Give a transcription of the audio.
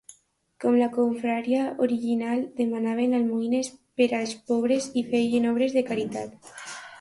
Com la confraria original, demanaven almoines per als pobres i feien obres de caritat.